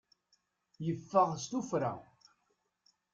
Yeffeɣ s tuffra.